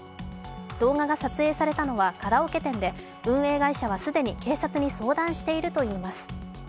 動画が撮影されたのはカラオケ店で運営会社は既に警察に相談しているといいます。